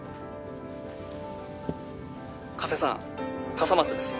加瀬さん笠松です